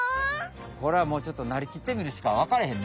これはもうちょっとなりきってみるしかわかれへんな。